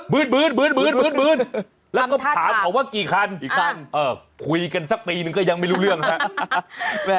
ืมแล้วก็ถามเขาว่ากี่คันกี่คันคุยกันสักปีนึงก็ยังไม่รู้เรื่องฮะ